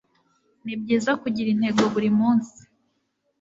Nibyiza kugira intego buri munsi